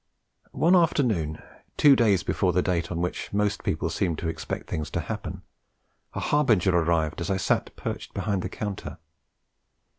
... One afternoon, two days before the date on which most people seemed to expect things to happen, a harbinger arrived as I sat perched behind the counter.